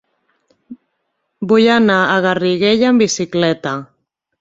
Vull anar a Garriguella amb bicicleta.